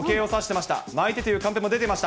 まいてというカンペも出てました。